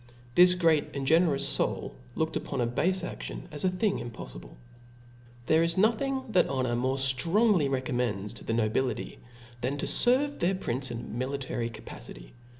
This great and generous foul looked upon a bafe adion as a thing impofllble. There is nothing that honor more ftrongly re commends to the nobility, than to ferve their prince in a niilitary capacity.